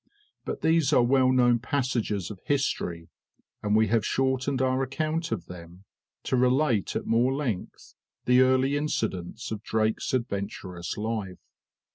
But these are well known passages of history, and we have shortened our account of them, to relate at more length the early incidents of Drake's adventurous life.